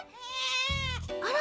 あら？